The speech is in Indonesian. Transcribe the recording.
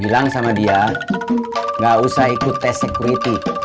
bilang sama dia nggak usah ikut tes security